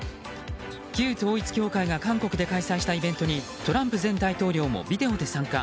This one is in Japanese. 旧統一教会が韓国で開催したイベントにトランプ前大統領もビデオで参加。